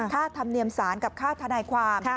ค่าธรรมเนียมสารกับค่าทนายความ